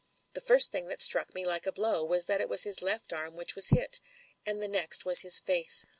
The first thing that struck me like a blow was that it was his left arm which was hit — and the next was his face.